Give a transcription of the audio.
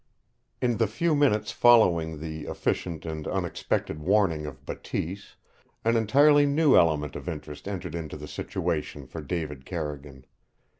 V In the few minutes following the efficient and unexpected warning of Bateese an entirely new element of interest entered into the situation for David Carrigan.